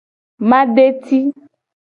Madeti.